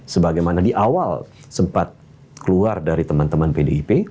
sebagaimana di awal sempat keluar dari teman teman pdip